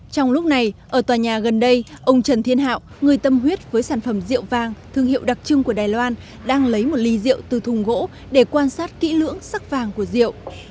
trong lúc này ở tòa nhà gần đây ông trần thiên hạo người tâm huyết với sản phẩm rượu vàng thương hiệu đặc trưng của đài loan đang lấy một ly rượu từ thùng gỗ để quan sát kỹ lưỡng sắc vàng của rượu